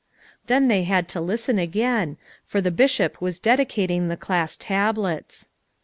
Then they had to listen again, for the Bishop was dedicating the class tablets.